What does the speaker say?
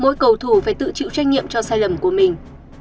mỗi cầu thủ phải tự chịu trách nhiệm cho sai lầm của mình